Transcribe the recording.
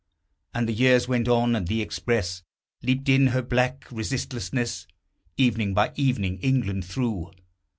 And the years went on, and the express Leaped in her black resistlessness, Evening by evening, England through.